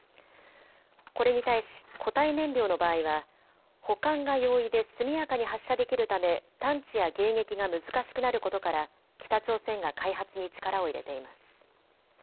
これに対し、固体燃料の場合は保管が容易で速やかに発射できるため探知や迎撃が難しくなることから北朝鮮が開発に力を入れています。